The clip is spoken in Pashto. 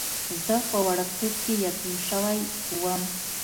زه په وړکتوب کې یتیم شوی وم.